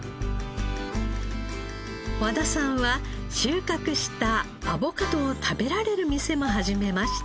和田さんは収穫したアボカドを食べられる店も始めました。